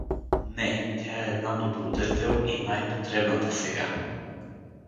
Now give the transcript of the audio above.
— Не, тя е една добродетел, и най-потребната сега.